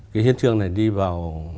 cái hiến trương này đi vào